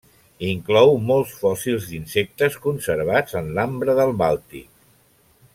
Inclou molts fòssils d'insectes conservats en l'ambre del Bàltic.